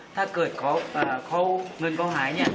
ถ้าเกิดเงินเขาหาย